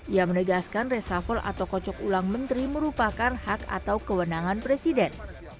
ia menegaskan reshuffle atau kocok ulang menteri merupakan hak atau kewenangan presiden